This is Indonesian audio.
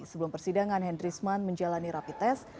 sebelum persidangan hendrisman menjalani rapi tes